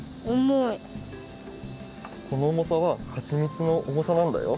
このおもさははちみつのおもさなんだよ。